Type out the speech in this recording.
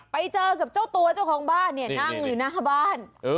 ไปเจอกับเจ้าตัวเจ้าของบ้านเนี่ยนั่งอยู่หน้าบ้าน